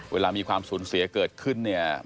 เวลามีความสูญเสียเกิดขึ้นเนี่ย